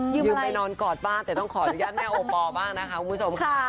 ยืมไปนอนกอดบ้างแต่ต้องขออนุญาตแม่โอปอลบ้างนะคะคุณผู้ชมค่ะ